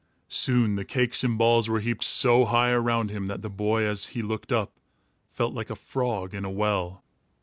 Soon the cakes and balls were heaped so high around him that the boy, as he looked up, felt like a frog in a well.